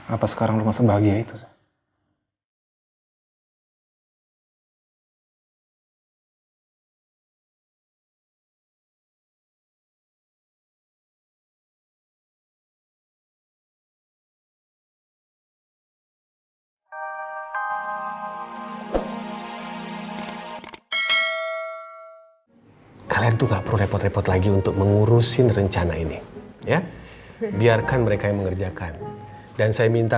apa sekarang lu masih bahagia itu